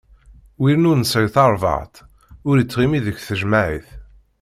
Win ur nesɛi tarbaɛt, ur ittɣimi deg tejmaɛit.